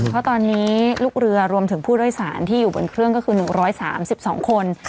เพราะตอนนี้ลูกเรือรวมถึงผู้โดยสารที่อยู่บนเครื่องก็คือ๑๓๒คน